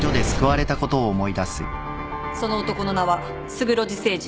その男の名は勝呂寺誠司。